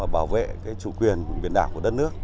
bảo vệ chủ quyền biển đảo của đất nước